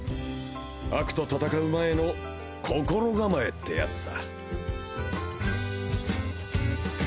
悪と戦う前の心構えってやつさ。